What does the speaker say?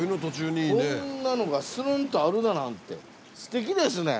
こんなのがするんとあるだなんてすてきですね。